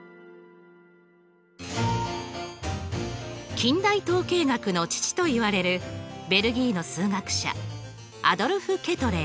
近代統計学の父といわれるベルギーの数学者アドルフ・ケトレー。